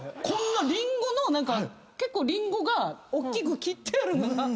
こんなリンゴの何か結構リンゴがおっきく切ってある。